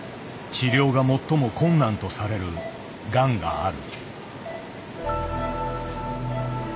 治療が最も困難とされるがんがある。